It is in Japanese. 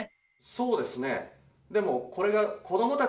そうですね。